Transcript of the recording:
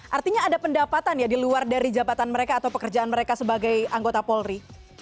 artinya ada pendapatan ya di luar dari jabatan mereka atau pekerjaan mereka sebagai anggota polri